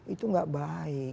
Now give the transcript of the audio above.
itu nggak baik